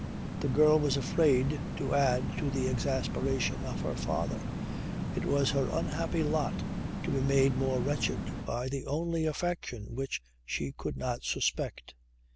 The girl was afraid to add to the exasperation of her father. It was her unhappy lot to be made more wretched by the only affection which she could not suspect.